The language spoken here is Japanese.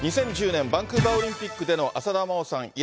２０１０年バンクーバーオリンピックでの浅田真央さん